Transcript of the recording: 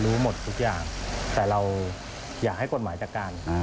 รู้หมดทุกอย่างแต่เราอยากให้กฎหมายจัดการ